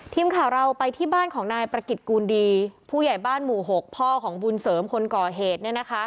ทีมข่าวเราไปที่บ้านของนายประกิจกูลดีผู้ใหญ่บ้านหมู่๖พ่อของบุญเสริมคนก่อเหตุ